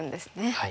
はい。